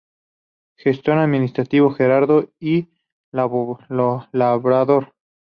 Gestor administrativo, ganadero y labrador.